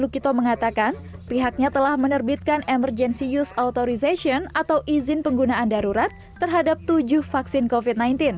kito mengatakan pihaknya telah menerbitkan emergency use authorization atau izin penggunaan darurat terhadap tujuh vaksin covid sembilan belas